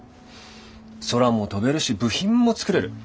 空も飛べるし部品も作れる。